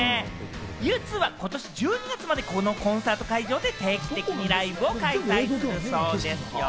Ｕ２はことし１２月まで、このコンサート会場で定期的にライブを開催するそうですよ。